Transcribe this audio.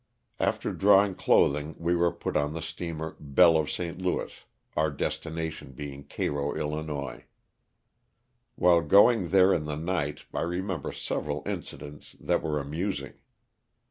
After drawing clothing we were put on the steamer Belle of St. Louis," our destination being Cairo, 111. While going there in the night I remember several incidents that were amusing.